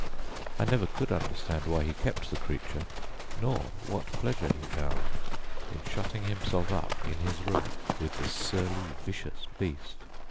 I never could understand why he kept the creature, nor what pleasure he found in shutting himself up in his room with this surly, vicious beast.